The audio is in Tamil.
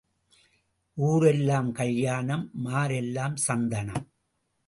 ஊர் எல்லாம் கல்யாணம் மார் எல்லாம் சந்தனம்.